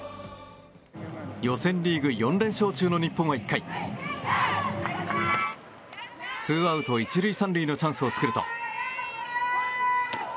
予選リーグ４連勝中の日本は１回ツーアウト１塁３塁のチャンスを作ると。